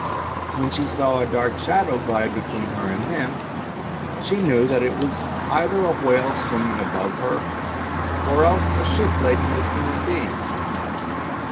When she saw a dark shadow glide between her and them, she knew that it was either a whale swimming above her, or else a ship laden with human beings.